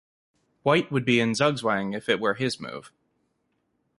White would be in zugzwang if it were his move.